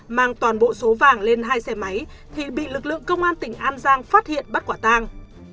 mang toàn bộ số vàng lên hai xe máy thì bị lực lượng công an tỉnh an giang phát hiện bắt quả tang